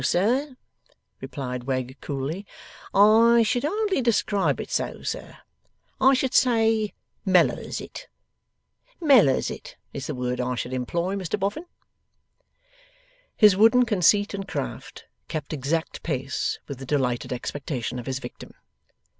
'N no, sir,' replied Wegg, coolly, 'I should hardly describe it so, sir. I should say, mellers it. Mellers it, is the word I should employ, Mr Boffin.' His wooden conceit and craft kept exact pace with the delighted expectation of his victim.